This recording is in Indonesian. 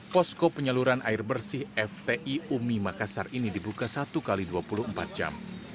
posko penyaluran air bersih fti umi makassar ini dibuka satu x dua puluh empat jam